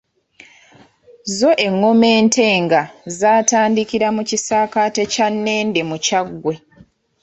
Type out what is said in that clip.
Zo engoma entenga zaatandikira mu kisaakaaate kya Nnende mu Kyaggwe .